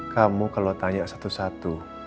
kamu kalau tanya satu satu